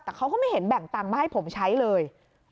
แต่เขาก็ไม่เห็นแบ่งตังค์มาให้ผมใช้เลย